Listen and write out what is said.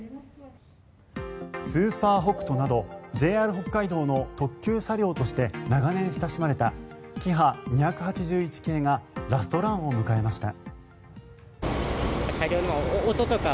スーパー北斗などＪＲ北海道の特急車両として長年親しまれたキハ２８１系がラストランを迎えました。